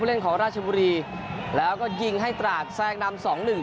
เล่นของราชบุรีแล้วก็ยิงให้ตราดแทรกนำสองหนึ่ง